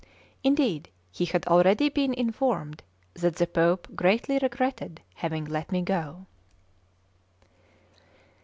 Indeed, he had already been informed that the Pope greatly regretted having let me go.